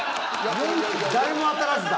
誰も当たらずだ。